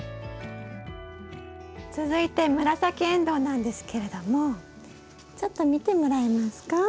続いて紫エンドウなんですけれどもちょっと見てもらえますか？